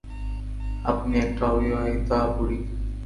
আপনি একটা অবিবাহিতা বুড়ি।